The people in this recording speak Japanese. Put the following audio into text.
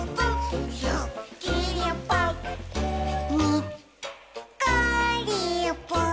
「にっこりぽっ」